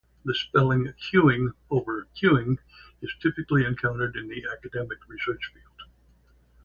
The spelling "queueing" over "queuing" is typically encountered in the academic research field.